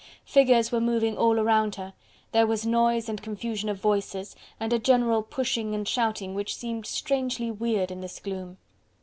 Figures were moving all around her, there was noise and confusion of voices, and a general pushing and shouting which seemed strangely weird in this gloom.